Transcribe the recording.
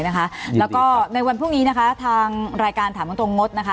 แล้วก็ในวันพรุ่งนี้นะคะทางรายการถามตรงงดนะคะ